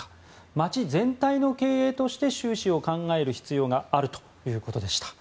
街全体の経営として収支を考える必要があるということでした。